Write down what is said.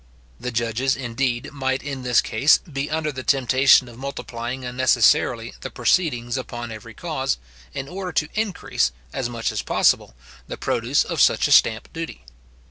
The judges, indeed, might in this case, be under the temptation of multiplying unnecessarily the proceedings upon every cause, in order to increase, as much as possible, the produce of such a stamp duty.